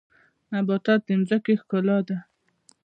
نباتات د ځمکې ښکلا ده